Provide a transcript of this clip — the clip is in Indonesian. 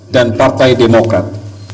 dan partai demokrat